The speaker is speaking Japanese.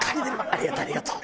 ありがとう！ありがとう！」。